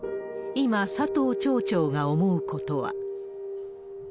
今、佐藤町長が思うことは。